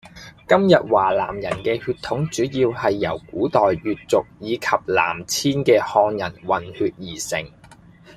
今日華南人嘅血統主要係由古代越族以及南遷嘅漢人混血而成